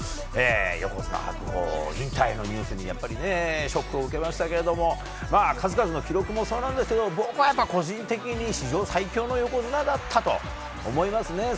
横綱・白鵬、引退のニュースにショックを受けましたけど数々の記録もそうですが僕は個人的に史上最強の横綱だったと思いますね。